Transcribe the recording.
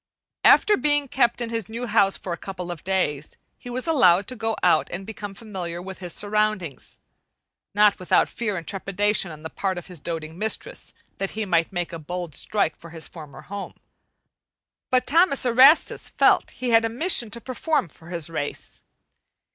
After being kept in his new house for a couple of days, he was allowed to go out and become familiar with his surroundings not without fear and trepidation on the part of his doting mistress that he might make a bold strike for his former home. But Thomas Erastus felt he had a mission to perform for his race.